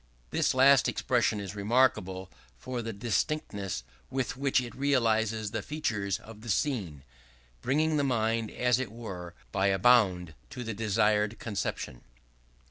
This last expression is remarkable for the distinctness with which it realizes the features of the scene: bringing the mind, as it were, by a bound to the desired conception.